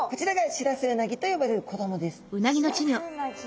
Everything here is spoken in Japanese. シラスウナギ。